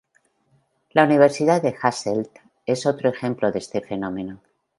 La Universidad de Hasselt es otro ejemplo de este fenómeno.